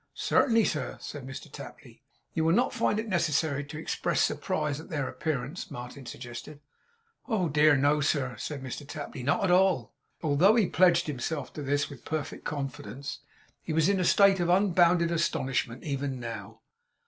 'Certainly, sir,' said Mr Tapley. 'You will not find it necessary to express surprise at their appearance,' Martin suggested. 'Oh dear no, sir!' said Mr Tapley, 'not at all.' Although he pledged himself to this with perfect confidence, he was in a state of unbounded astonishment even now.